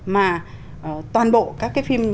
mà toàn bộ các phim